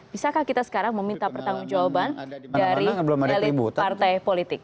bisakah kita sekarang meminta pertanggung jawaban dari elit partai politik